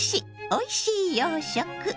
おいしい洋食」。